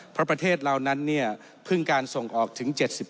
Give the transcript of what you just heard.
เพราะประเทศเรานั้นเนี่ยเพิ่งการส่งออกถึง๗๘